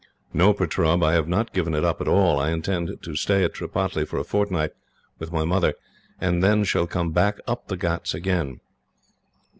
"No, Pertaub, I have not given it up, at all. I intend to stay at Tripataly for a fortnight, with my mother, and shall then come up the ghauts again.